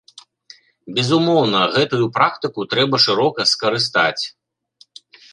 Безумоўна, гэтую практыку трэба шырока скарыстаць.